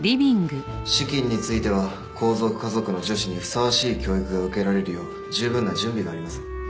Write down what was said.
資金については皇族華族の女子にふさわしい教育が受けられるよう十分な準備があります。